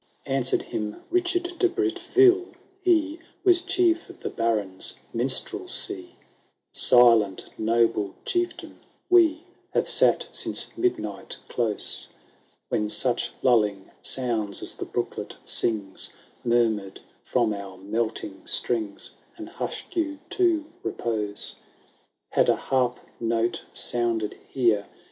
It V. Answered him Richard de Bretville ; he Was chief of the Baron's minstrelsy, —^ Silent, noble chieftain, we Hare sat since midnight close. When such lulling sounds as the brooklet sings. Murmured from our melting strings, And hushed you to repose. Had a harp note sounded here.